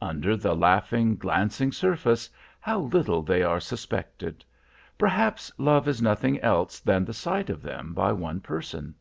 Under the laughing, glancing surface, how little they are suspected! Perhaps love is nothing else than the sight of them by one person.